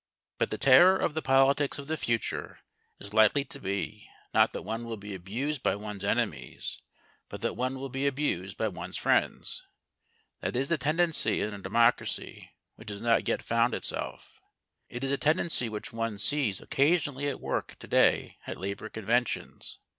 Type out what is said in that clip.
But the terror of the politics of the future is likely to be, not that one will be abused by one's enemies, but that one will be abused by one's friends. That is the tendency in a democracy which has not yet found itself. It is a tendency which one sees occasionally at work to day at labour conventions.